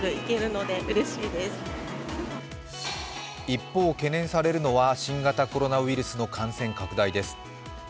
一方、懸念されるのは新型コロナウイルスの感染拡大です。